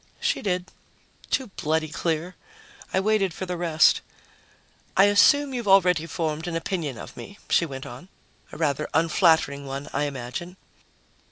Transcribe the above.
She did. Too bloody clear. I waited for the rest. "I assume you've already formed an opinion of me," she went on. "A rather unflattering one, I imagine."